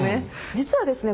実はですね